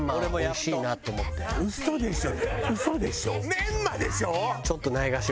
メンマでしょ？